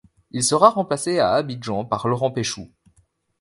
Il sera remplacé à Abidjan par Laurent Péchoux.